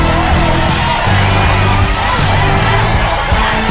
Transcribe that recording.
เพื่อชิงทุนต่อชีวิตสุด๑ล้านบาท